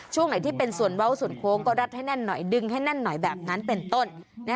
ช่วงไหนที่เป็นส่วนเว้าส่วนโค้งก็รัดให้แน่นหน่อยดึงให้แน่นหน่อยแบบนั้นเป็นต้น